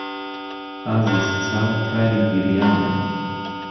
ئازیز چاوکاری گریانە